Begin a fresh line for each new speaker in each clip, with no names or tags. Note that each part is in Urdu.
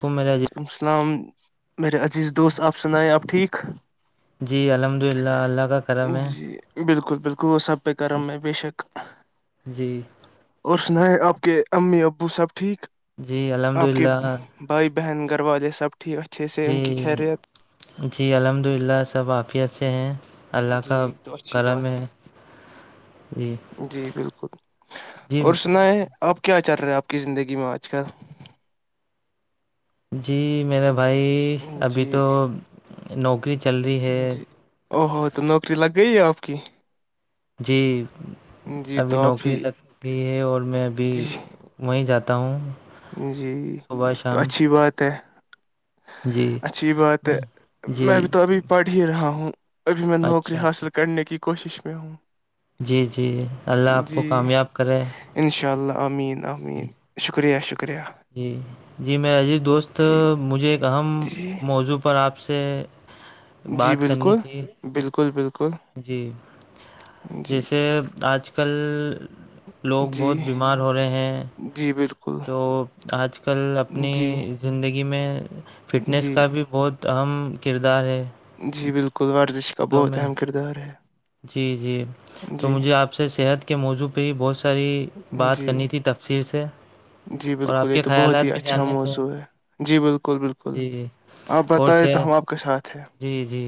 کوم ج [unintelligible]
وعلیکم السلام میرے عزیز دوست آپ سنائے آپ ٹھیک
جی الحمد للہ اللہ کا کرم ہے
جی بالکل بالکل وہ سپید کر ہم میں بے شک
جی
اور سنا ہے آپ کے امی ابو سب ٹھیک
جی الحمد
آپ کے
للہ
بھائی بہن گھرو والے سب ٹھیک اچھے سے ان
جی
کی خیریت
جی الحمد للہ سب عافیت سے ہیں اللہ کا
جی تو اچھی
کرم
بات
ہے جی
جی بالکل
جی
اور سنا ہے آپ کیا چل رہے ہیں آپ کی زندگی میں آج کل
جی میرے بھائی ابھی
جی
تو نوکری چل رہی ہے
جی او ہوو تو نوکری لگ گئی ہے آپ کی
جی
جی
ابھی
تو آپ ہی
نوکری لگ گئی ہے اور میں ابھی
جی
وہیں جاتا ہوں
جی
صبح
تو
شام
اچھی بات ہے
جی
اچھی بات ہے
جی
میں بھی تو ابھی پڑھ بھی رہا ہوں ابھی میں نوکری
اچھا اچھا
حاصل کرنے کی کوشش میں ہوں
جی جی اللہ آپ کو کامیاب کرے
ان شاء اللہ امین
جی
امین شکریہ شکریہ
جی جی میر عجیت دوست
جی
مجھے ایک اہم
جی
موضوع پر آپ سے
جی
بات کرنی
بالکل
تھی
بالکل بالکل
جی
جی
جیسے آج کل لوگ
جی
بہت بیمار ہو رہے ہیں
جی بالکل
تو آج کل اپنی
جی
زندگی میں فٹنس
جی
کا بھی بہت تو اہم کردار ہے
جی بالکل ورزش کا
تو
بہت
میں
اہم کردار ہے
جی جی تو
جی
مجھے آپ سے صحت کے موضوع پہ ہی بہت سی بات
جی
کرنی تھی تفسیر سے
جی
اور
بالکل
آپ
یہ
کے
تو بہت
خیالات
ہی
بھی
اچھا
جاننے تھے
موضوع ہے جی بالکل بالکل
جی جی
آپ
اور ش
بتائیں تو ہم آپ کے ساتھ ہیں
جی جی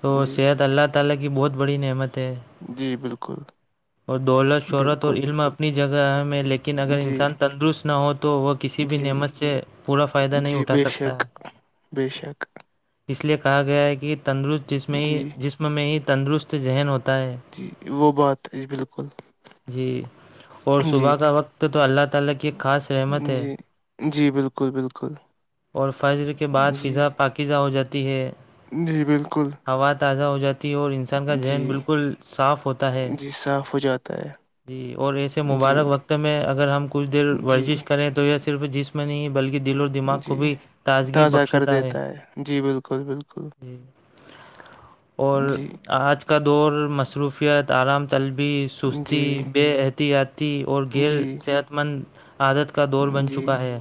تو
جی
سحت اللہ تعالی کی بہت بڑی نعمت ہے
جی بالکل
اور دولت شہرت اور
بالکل
علم اپنی جگہ میں لیکن اگر
جی
انسان تندرست نہ ہو تو وہ کسی بھی
جی
نعمت سے پورا فائدہ نہیں
جی
اٹھا
بے
سکتا
شک
ہے
بے شک
اس لیے کہا گیا ہے کہ تندرست
جی
جسم میں ہی تندرست ذہن ہوتا ہے
جی وہ بات ہیں بالکل
جی اور
جی
صبح کا وقت تو اللہ تعالی کی ایک خاص رحمت ہے
جی جی بالکل بالکل
اور فضر کے بعد
جی
فضا پاکی ہو جاتی ہے
جی بالکل
ہوا تازہ ہو جاتی ہے اور کا
جی
ذہن بالکل صاف ہوتا ہے
پتا ہے
جی اور ایسے
جی
مبارک وقت میں اگر ہم کچھ دیر
جی
ورزش کر ہیں تو یہ صرف جسم نہیں ہے بلکہ دو دل اور دماغ کو
جی
بھی تازگی
تازہ کر
بخشتا ہے
دیتا جی بالکل بالکل
ج اور
جی
آج کا دور مصروفیت آرام طلبی سستی
جی
بے احتیاطی اور ھییر
جی
صحت مند عادت دور بن
جی
چکا ہے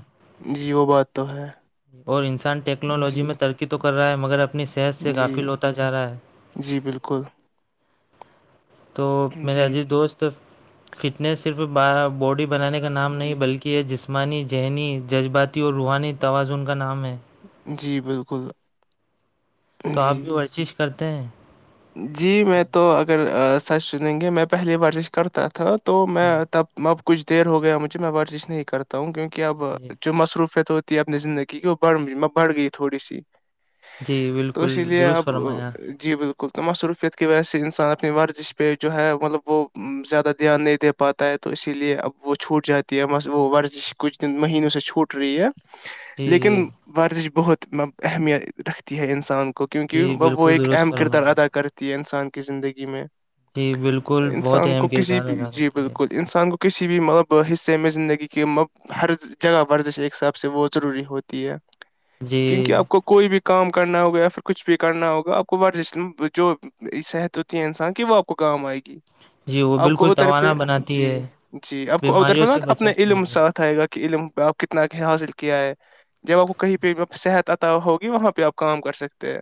جی وہ بات تو ہے
اور انسان ٹیکنالوجی
جی
میں ترقی تو کر رہا ہے مگر اپنی صحت سے
جی
گافل ہوتا جا رہا ہے
جی بالکل
تو میرے
جی
عزیز دوست فٹنس صرف باڈی بنانے کا نام نہیں
جی
بلکہ کہ یہ جسمانی ذہنی جذباتی اور روحانی توازن کا نام ہے
جی بالکل
تو آپ
جی
بھی ورزش کرتے ہیں
جی میں تو اگر سچھ سنیں گے میں پہلی ورزش کرتا تھا تو میں
جی
تب اب کچھ دیر ہو گیا مجھے میں ورزش نہیں کرتا ہوں کیوںک اب
جی
جو مصروفت ت اپنی زندگی کی وہ بڑھ میں بڑھ گئی تھوڑی سی
جی
تو
بالکل
اسی لیے
درست
اب
فرمایا
جی بالکل بالکل تو مصروفیت کی وجہ سے انسان اپنی ورزش پہ جو ہے مطلب وہ زیادہ دھیان نہیں دے پاتا ہے تو اسی لیے اب وہ چھوٹ جاتی ہے بس وہ ورزش کچھ دن مہینوں سے چھوٹ رہی ہے
جی جی
لیکن ورزش بہت اہمیت رکھتی ہے انسان کو کیونکہ
جی
وہ
بالکل
ایک
درست
اہم کردار
فرمایا
ادا کرتی ہے انسان کی زندگی میں
جی بالکل بہت
انسان
اہم
کو کسی
کردار
بھی
ادا
جی
کرتی ہے
بالکل انسان گو کسی بھی مطلب حصے میں زندگی کے مطلب ہر جگہ ورزش ایک حساب سے وہ ضروری ہوتی ہے
جی
کیونکہ آپ کو کوئی بھی کام کرنا ہوگا یا پھر کچھ بھی کرنا ہوگا آپ کو ورزش جو صحت ہوتی یہ ہیں انسان کہ وہ اپ کو کام آئے گی
جی وہ
آپ کو
بالکل
اوتر پہ
توانا بناتی
جی
ہے
جی آپ کو اوتر پہ
بیماریوں سے
اپنے
بچاتی
علم
ہے
ساتھ آئے گا علم پہ اپ کتنا حاصل کیا ہے جب آپ کو کہیں پہ صحت آتا ہوگی وہاں پہ آپ کام کر سکتے ہیں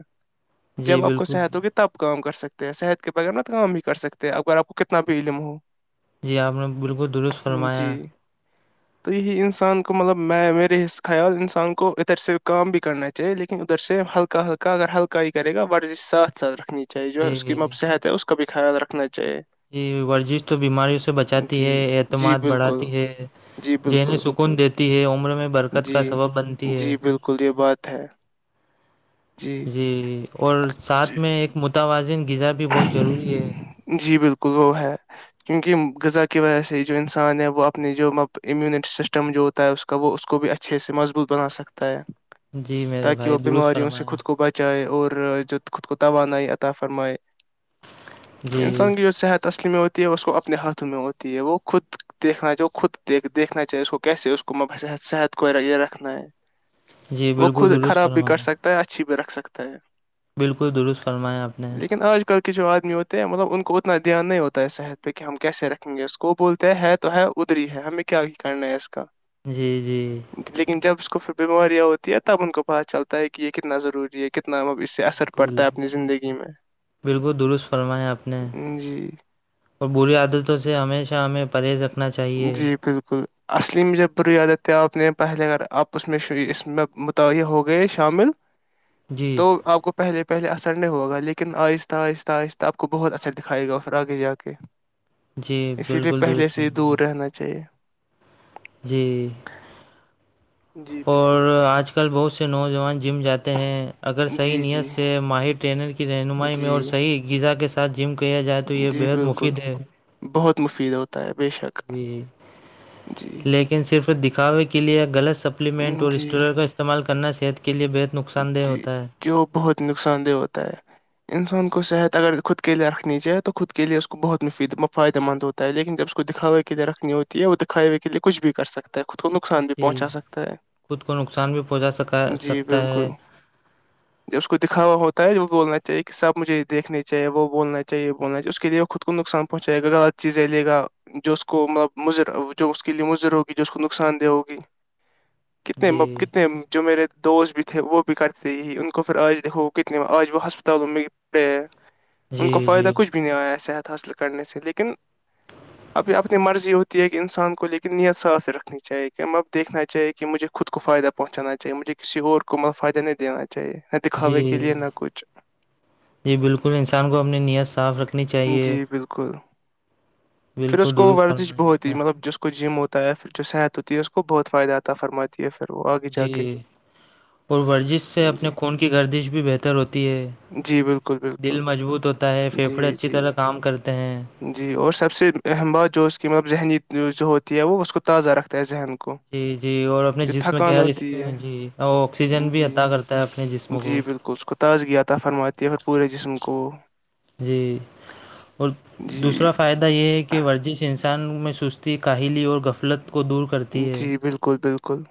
جی
جب آپ کو
بالکل
صحت ہوگی تب کام کر سکتے ہیں صحت کے بغیر نا کام ہی کر سکتے ہیں اگر آپ کو کتنا بھی علم ہو
جی آپ نے بالکل درست
جی
فرمایا
تو یہی انسان کو مطلب میں میرے خیال انسان کو ادھر سے کام بھی کرنا اہ لیکن ادھر سےم ہلکا ہلکا اگر ہلکا ہی کرے گاورزشات ساتھ رکھنی چیے چاہے جو ہے اس کی
جی
مب صحت ہے اس کا بھی خیال رکھنا چاہیے
یہ ورزش تو بیماریوں سے بچاتی
جی
ہے
جی
اعتماد
بالکل
بڑھاتی ہے
جی
جہنی
بالکل
خن دیتی ہے عمر میں برکت
جی
کا سبب بنتی ہے
جی بالکل یہ بات ہے
جی اور
جی
ساتھ میں ایک متوازن غذا بھی بہت ضروری ہے
جی بالکل وہ ہے کیونکہ غذا کی وجہ سے جو انسان ہے وہ اپنے جو م امیونٹی سسٹم جو ہوتا ہے اس وہ اس کو بھی اچھے سے مضبوط بنا سکتا ہے
جی میرے
تاکہ
بھائی
وہ
درست
بیماریوں سے
فرمایا
خود کو بچ چاہے اورود خود کو توانائی عطا فرمائے
جی جی
انسان کی جو صحت اصلی میں ہوتی ہے اس کو اپنے ہاتھوں میں ہوتی ہے وہ خود دیکھنا چاہے خود دیک دیکھنا چاہے اس کو کیسے اس کو صحت کو یہ رکھنا ہے
جی
وہ
بالکل
خود
درست
خراب بھی کر
فرمایا
سکتا ہے اچھی بھی رکھ سکتا ہے
بالکل درست فرمایا آپ نے
لیکن آج کل کے جو آدمی ہوتے ہیں مطلب ان کو اتنا دھیان نہیں ہوتا ہے صحت پہ کہ ہم کیسے رکھیں گے اس کو کو بولتے ہے تو ہے ادری ہے ہمیں کیا کرنا ہے اس کا
جی جی
لیکن جب اس کو پھر بیماریاں ہوتی ہیں تب ان کو پتہ چلتا ہے کہ یہ کتنا ضروری ہے کتنا اب اس اثر
بالکل
پڑتا ہے اپنی زندگی میں
بالکل درست فرمایا آپ نے
جی
اور بری عادتوں سے ہمیشہ ہمیں پرہیزکھ
جی بالکل اصلی مجھے بری عدت تے آپ نے پہلے کر آپ اس میں اس میں متعہ ہو گئے شامل
جی
تو آپ کو پہلے پہلے اثر نہیں ہوگا لیکن آہستہ آہستہ آہستہ آ کو بہت اثر دکھائے گا پھر آگے جاے
جی
اسی لیے
بالکل
پہلے
درست
سے ہی
فرمایا
دور رہنا چاہیے
جی
جی بالکل
اور آج کل بہت سے نوجوان جم جاتے ہیں اگر صحیح
جی
نیت
جی
سے ماہر ٹرینر کی رہنمائی میں اور
جی
صح غذا کے ساتھ جم کیا جائے تو یہ
جی
بےحد
بالکل
مفید ہے
بہت مفید ہوتا ہے بے شک
جی
جی
لیکن صرف دکھاوے کے لیئے غلط سپلیمنٹ اور
جی
اسٹور کا است استعمال کرنا صحت کے لیے بہتر
جی جو بہت نقصان دہ ہوتا ہے انسان کو صحت اگر خود کے لیے رکھنی چاہے تو خود کے لیے اسس کو بہت مفید فائدہ مند ہو ہے لیکن جب اس کو دکھوے کے لیے رکھنی ہوتی ہے وہ دکھوے کے لیے کچھ بھی کر سکتا ہے کو نقصان بھی
جی
پہنچا سکتا ہے
خود کو نقصان بھی پہنچا سکا
جی
سکتا
بالکل
ہے
جو اس کو دکھاوا ہوتا ہے وہ بولنا چاہیے کہ سب مجھے یہ دیکھنا چاہے وہ بولنا چاہیے وہ بولنا چاہیے اس کے لیے خود کو نقصان پہنچائے گاغلط چیز ہے لےا جو اس کو مطلب مضر جو اس کے لیے مضر ہوگی جو اس کو نقصان دہ ہوگی کنے
جی
کتنے جو میرے دوست بھی تھے وہ بھی کرتے ہی ان کو پھر آج دیکھو کتنے آج وہ ہسپتالوں میں پڑے ان
جی
کو فائدہ
جی
کچھ بھی نہیں آیا صحت حاصل کرنے سے لیکن اب اپنی مرضی ہوتی کہ انسان کو لیکن نیت ساھ سے رکھنی چاہے کہ اب دیکھنا چاہے کہ مجھے خود کو فائدہ پہنچانا چاہیے مجھے کسی اور کو مطل فائدہ نہیں دینا چاہیے
جی
دکھاوے کے لیے نہ کچھ
جی بالکل انسان کو اپنی نیت صاف رکھنی چاہیے
جی بالکل پھر اس
بالکل
کو
درست
ورزش
فرمایا
بہت
آپ
ہی
نے
مطلب جس کو اس کو جم ہوتا ہے پھر جو صحت ہوتی ہے اس کو بہت فائدہ آتا ہے فرماتی ہے پھر وہ آگے جا کے
پرورزش سے اپنے
جی
خون کی گردش بھی بہتر ہوتی ہے
جی بالکل بالکل
دل مضبوط ہوتا ہے پھیپھڑے
جی
اچھی
جی
طرح کام کرتے ہیں
جی اور سب سے اہم بات جو اس کی مطلب ذہنی جو جو ہوتی ہے وہ اس کو تازہ رکھتا ہے ذہن کو
جی جی اور اپنے
جو
جسم
تھکان
کیا ہے
ہوتی
ج جی آکسیجن بھی
جی
عطا کرتا ہے اپنے جسم
جی
کو
بالکل اس کو تازگی آتا فرماتی ہے پھر پورے جسم کو
جی اور
جی
دوسرا فائدہ یہ ہے ورزش انسان میں سستی کاہلی اور غفلت کو دور کر
جی بالکل بالکل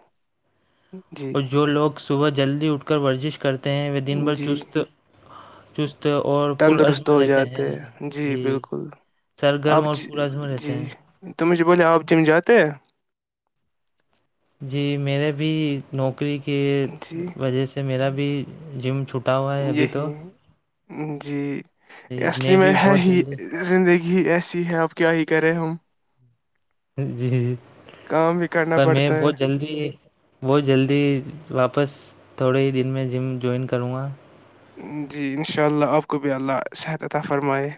جی
اور جو لوگ صبح جلدی اٹھ کر ورزش کرتے ہیں وہ دن بھر
جی
چست چست اور
تندرست
پرعزم
ہو
لیتے ہیں
جاتے
جی
بالکل
سرگرم اور پرزم رہتے ہیں
تج بولے آب ج چم جیاداتہ
جی میرے بھی نوکری کے
جی
وجہ سے میرا بھی جم چھٹ
یہی جی
جی
اصلی میں
بھی
ہے
بہت
ہی
جلدی
زندگی ہی ایسی ہے اب کیا ہی کریں ہم
جی جی
کام بھی کرنا
پر میں
پڑتا ہے
بہت جلدی بت جلدی واپس تھوڑے ہی دن میں جم جوائن کروں گا
جی ان شاء اللہ آپ کو بھی اللہ صحت عطا فرمائے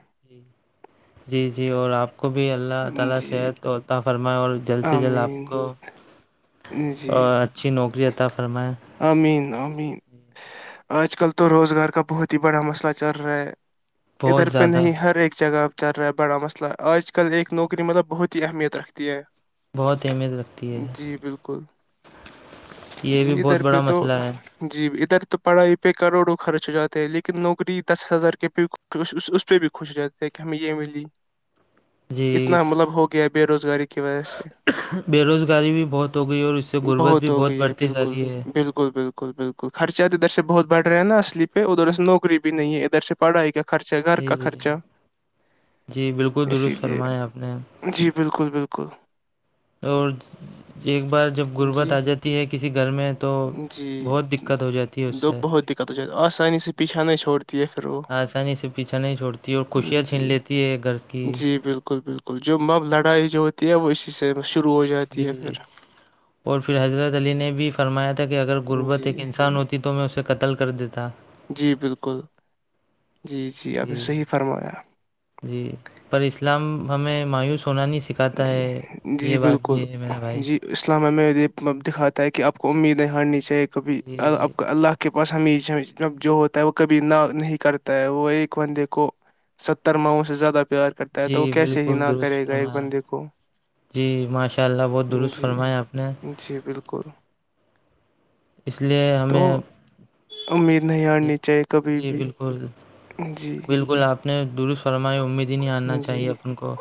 جی جی اور اپ کو بھی اللہ تعالی
جی
صحت عطا فرمائے اور جلد سے جلد آپ کو
آمین جی
اچھی نوکری عطا فرمائیں
امین امین آج کل تو روزگار کا بہت ہی بڑا مسئلہ چل رہا ہے ادھر
بہت
پہ
زیادہ
نہیں ہر ایک جگہ چل رہا ہے بڑا مسئلہ آج کل ایک نوکری مطلب بہت ہی اہمیت رکھتی ہے
بہت اہمیت رکھتی ہے
جی بالکل
یہ
جی
بھی بہت
ادھر
بڑا
پہ تو
مسئلہ ہے
جی ادھر تو پڑھائی پہ کروڑوں خرچ ہو جاتے ہیں لیکن نوکری دس ہزار کے پہ اس پہ بھی خوش رہتے کہ ہمیں یہ ملی
جی
اتنا مطلب ہو گیا بے روزگاری کی وجہ سے
بے روزگاری بھی بہت ہو گئی اور اس سے غربت بھی
ہو
بہت
گئی ہے
بڑھتی جا
بالکل
رہی ہے
بالکل بالکل بالکل خرچہ تو ادھر سے بہت بڑھا نا اصلی پہ ادھر سے نوکری بھی نہیں ہے ادھر سے پڑھائی کا خرچہ گھر
جی
کا
جی
خرچہ
جی بالکل
اسی
درست
لیے
فرمایا آپ نے
جی بالکل بالکل
اور ایک بار جب غربت
جی
آ جاتی ہے کسی گھر میں تو
جی
بہت دقت ہو جاتی ہے اس
دو
سے
بہت دقت ہو ج آسانی سے پیچھا نہیں چھوڑتے ہے پھر وہ
آسانی سے پیچھا نہیں چھوڑتی اور خوشیاں چھین
جی
لیتی ہے گھر کی
جی بالکل بالکل بالکل جو مب لڑائی جو ہوتی ہے وہ اسی سے شروع ہو جاتی ہے
جی
پھر
اور پھر حضرت علی نے بھی فرمایا تھا کہ اگر غربت
جی
ایک انسان ہوتی تو میں اسے قتل کر دیتا
جی بالکل جی جی آپ نے صحیح فرمایا
جی پر اسلام ہمیں مایوس ہونا نہیں سیکھا کہتا
جی
ہے یہ بات بھی ہے میرا بھائی
اسلامیہ میں دکھاتا ہے کہ آپ کو امیدیں ہارنی چاہیے کبھی
جی
آپ کو اللہ کے پاس امی جو ہوتا ہے وہ کبھی نہ نہیں کرتا ہے وہ ایک بندے کو ستر ماہوں سے زیادہ پیار کرتا ہے
جی
تو وہ کیسے ہی
بالکل
نہ
درست
کرے گا ایک
فرمایا
بندے کو
جی ماشاء اللہ بہت درست
جی
فرمایا آپ نے
جی بالکل
اس لیے
تو
ہمیں
امید نہیں ہے
جی جی بالکل
جی
بالکل آپ درست فرمائے امید ہی نہیں آنا
جی
چاہیے اپن کو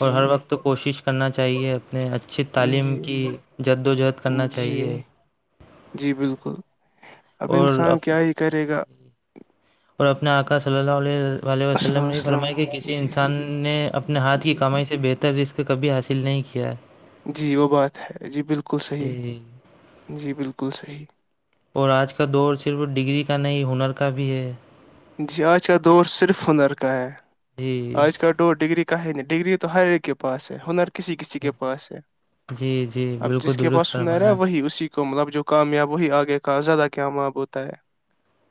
اور ہر وقت تو کوشش کرنا چاہیے اپنے اچھی تعلیم
جی
کی جد و جہد کرنا
جی
چاہیے
جی بالکل اب
اور
انسان کیا ہی کرے گا
اور اپنے آکا صلی اللہ علیہ واللیہ وسلم نے فرمایا کہ کسی
جی
انسان نے اپنے ہاتھ کی
جی
کمائی سے بہتر جس کبھی حاصل نہیں کیا ہے
جی وہ بات ہے جی بالکل صحیح
جی
جی بالکل صحیح
اور آج کا دور صرف ڈگری کا نہیں ہنر کا بھی ہے
جی آج کا دور صرف ہنر کا ہے
جی
آج کا دو ڈگری کہ ڈگری تو ہر ایک کے پاس ہے ہنر کسی کسی
جی
کے پاس ہے
جی جی
اب جس
بالکل
کے
درست
پاس سنرا ہے
فرمایا
وہی اسی کے کو مطلب جو کامیاب وہی آگے کا زیادہ کیام ب ہوتا ہے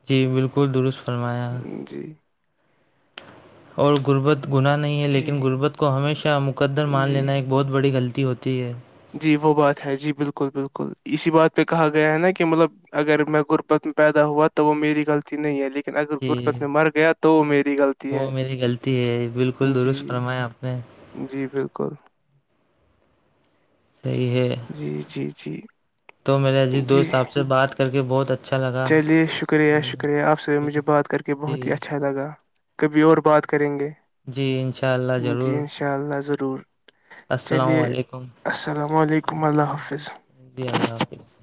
جی بالکل درست فرمایا
ہے جی
اور غربت گناہ نہیں ہے
جی
لیکن غربت کو ہمیشہ مقدر مان
جی
لینا ایک بہت بڑی غلطی ہوتی ہے
جی وہ بات ہے جی بالکل بالکل اسی بات پہ کہا گیا ہے نا کہ مطلب اگر میں غربت میں پیدا ہوا تو وہ میری غلط نہیں ہے لیکن اگر
جی
گربت میں مر گیا تو میری غلطی ہے
وہ میری غلطی ہے بالکل
جی
درست فرمایا آپ نے
جی بالکل
صحیح ہے
جی جی جی
تو میرا جس
جی
دوست آپ سے بات کر کے بہت اچھا لگا
چلیے شکریہ شکریہ آپ سے بھی
شکر
مجھے بات کر کے بہت ہی
جی
اچھا لگا کبھی اور بات کریں گے
جی انشاء اللہ
جی
ضرور
انشاء اللہ ضرور
السلام
چلیے
علیکم
السلام علیکم اللہ حافظ
جی اللہ حافظ